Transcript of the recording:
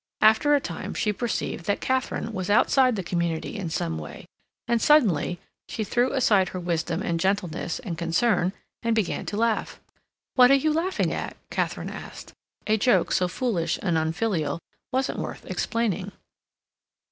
After a time she perceived that Katharine was outside the community in some way, and, suddenly, she threw aside her wisdom and gentleness and concern and began to laugh. "What are you laughing at?" Katharine asked. A joke so foolish and unfilial wasn't worth explaining.